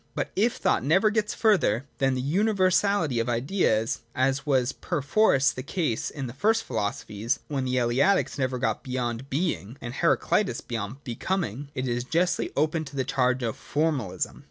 But if thought never gets further than the universality of the Ideas, as was perforce the case in the first philosophies (when the Eleatics never got beyond Being, or Heraclitus beyond Becoming), it is justly open to the charge of formalism.